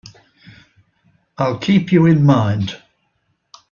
I'll keep you in mind.